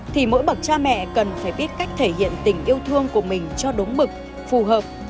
thì mỗi bậc cha mẹ cần phải biết cách thể hiện tình yêu thương của mình cho đúng mực phù hợp